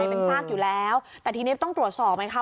เป็นซากอยู่แล้วแต่ทีนี้ต้องตรวจสอบไหมคะ